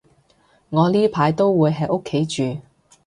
我呢排都會喺屋企住